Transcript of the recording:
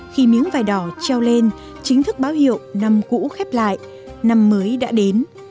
khi miếng vải đỏ treo lên chính thức báo hiệu năm cũ khép lại năm mới đã đến